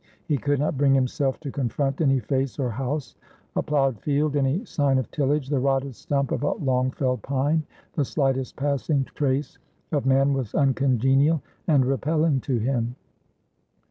He could not bring himself to confront any face or house; a plowed field, any sign of tillage, the rotted stump of a long felled pine, the slightest passing trace of man was uncongenial and repelling to him.